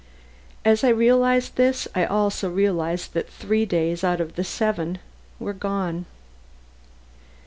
As I realized this I also realized that three days out of the seven were gone.